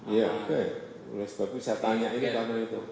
ya oke boleh sebagus saya tanya ini kami itu